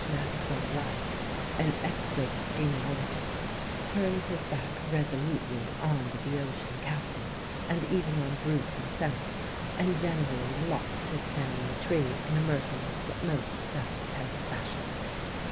Maxwell Lyte, an expert genealogist, turns his back resolutely on the Beotian captain, and even on Brute himself, and generally lops his family tree in a merciless but most salutary fashion.)